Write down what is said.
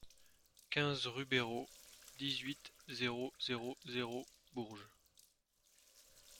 quinze rue Béraud, dix-huit, zéro zéro zéro, Bourges